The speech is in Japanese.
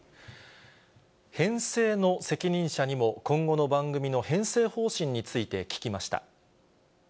編成の責任者にも今後の番組の編成方針について聞きました。